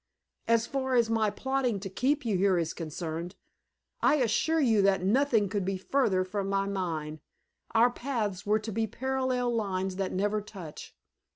As far as my plotting to keep you here is concerned, I assure you that nothing could be further from my mind. Our paths were to be two parallel lines that never touch."